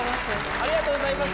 ありがとうございます。